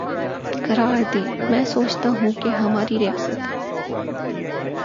قرار دے میںسوچتاہوں کہ ہماری ریاست